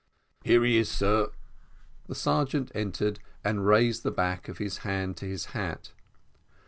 "Here he is, sir." The sergeant entered, and raised the back of his hand to his hat.